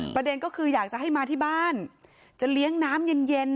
ประเด็นก็คืออยากจะให้มาที่บ้านจะเลี้ยงน้ำเย็น